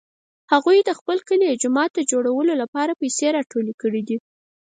هغوی د خپل کلي د جومات د جوړولو لپاره پیسې راټولې کړې دي